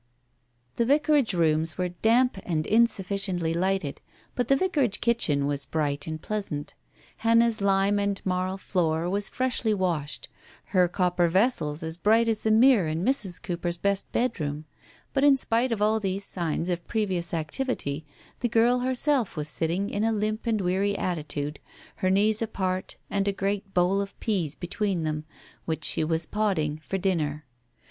The Vicarage rooms were damp and insufficiently lighted, but the Vicarage kitchen was bright and pleasant. Hannah's lime and marl floor was freshly washed, her copper vessels as bright as the mirror in Mrs. Cooper's best bedroom ; but in spite of all these signs of previous activity the girl herself was sitting in a limp and weary attitude, her knees apart, and a great bowl of peas between them, which she was "podding" for dinner.